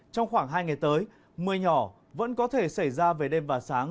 trong khoảng hai ngày tới mưa nhỏ vẫn có thể xảy ra về đêm và sáng